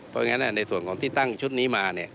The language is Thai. เพราะฉะนั้นในส่วนของที่ตั้งชุดนี้มา